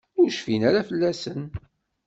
Ur cfin ara fell-asen.